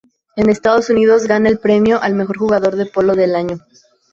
En Estados Unidos gana el Premio al Mejor Jugador de Polo del año.